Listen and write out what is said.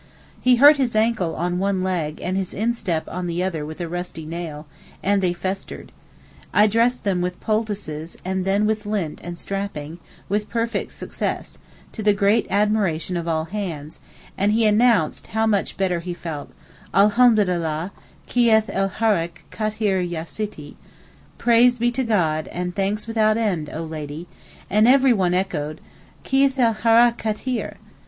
He hurt his ankle on one leg and his instep on the other with a rusty nail, and they festered. I dressed them with poultices, and then with lint and strapping, with perfect success, to the great admiration of all hands, and he announced how much better he felt, 'Alhamdulillah, kieth el hairack khateer ya Sitti' (Praise be to God and thanks without end O Lady), and everyone echoed, 'kieth el hairack khateer.